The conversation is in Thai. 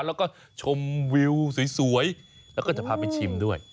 แล้วก็ชมวิวสวยแล้วก็จะพาไปชิมด้วย